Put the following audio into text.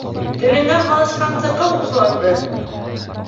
Телеңә һалышҡансы, ҡыу ошоларҙы!